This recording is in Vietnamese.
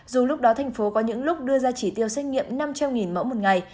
dù lúc đó thành phố có những lúc đưa ra chỉ tiêu xét nghiệm năm trăm linh mẫu một ngày